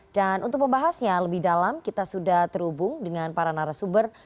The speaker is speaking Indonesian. dan untuk pembahasnya lebih dalam kita sudah terhubung dengan para narasumber